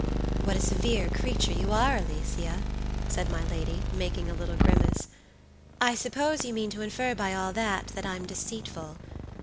"What a severe creature you are, Alicia!" said my lady, making a little grimace. "I suppose you mean to infer by all that, that I'm deceitful.